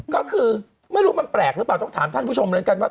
ก็คือไม่รู้มันแปลกหรือเปล่าต้องถามท่านผู้ชมแล้วกันว่า